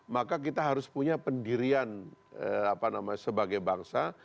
maka kita harus punya pendirian apa namanya sebagai bangsa